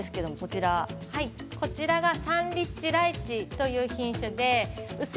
サンリッチライチという品種です。